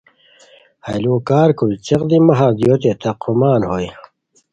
ہیہ ُلوؤ کار کوری څیق دی مہ ہردیوت تراقومان ہوئے